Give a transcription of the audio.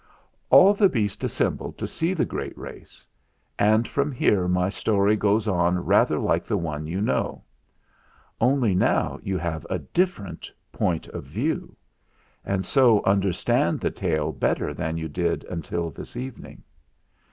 "All the beasts assembled to see the great race; and from here my story goes on rather like the one you know. Only now you have a different Point of View, and so understand the tale better than you did until this evening.